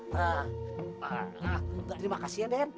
terima kasih ya den